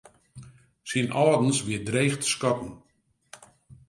Syn âldens wie dreech te skatten.